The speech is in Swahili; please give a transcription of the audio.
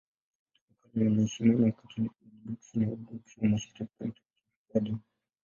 Tangu kale anaheshimiwa na Wakatoliki, Waorthodoksi na Waorthodoksi wa Mashariki kama mtakatifu mfiadini.